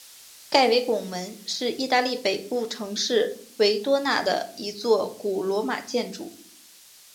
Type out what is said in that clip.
盖维拱门是意大利北部城市维罗纳的一座古罗马建筑。